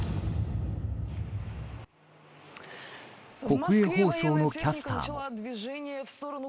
国営放送のキャスターも。